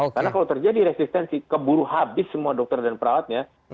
karena kalau terjadi resistensi keburu habis semua dokter dan perawatnya